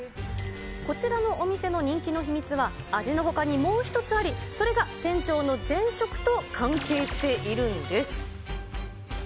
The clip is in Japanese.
こちらのお店の人気の秘密は、味のほかにもう一つあり、それが店長の前職と関係しているんです。